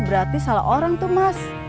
berarti salah orang tuh mas